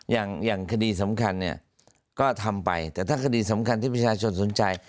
อย่างอย่างคดีสำคัญเนี่ยก็ทำไปแต่ถ้าคดีสำคัญที่ประชาชนสนใจ